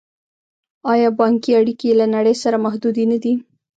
آیا بانکي اړیکې یې له نړۍ سره محدودې نه دي؟